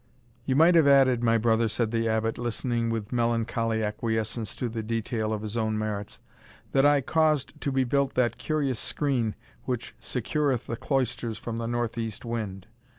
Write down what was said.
"You might have added, my brother," said the Abbot, listening with melancholy acquiescence to the detail of his own merits, "that I caused to be built that curious screen, which secureth the cloisters from the north east wind.